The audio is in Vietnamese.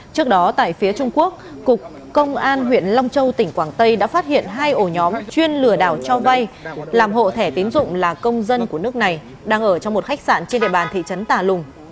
trước đó tại phía trung quốc cục công an huyện long châu tỉnh quảng tây đã phát hiện hai ổ nhóm chuyên lừa đảo cho vay làm hộ thẻ tiến dụng là công dân của nước này đang ở trong một khách sạn trên địa bàn thị trấn tà lùng